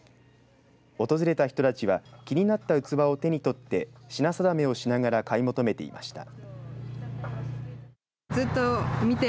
訪れた人たちは気になった器を手に取って品定めをしながら買い求めていました。